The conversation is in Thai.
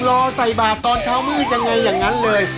รอใส่บาปตอนเช้ามืดยังไงอย่างนั้นเลย